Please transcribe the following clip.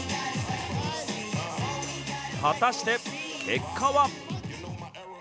果たして結果は。